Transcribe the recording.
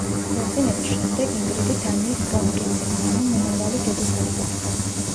ქორწინების შემდეგ, ინგრიდი დანიის კრონპრინცესა, ანუ მომავალი დედოფალი გახდა.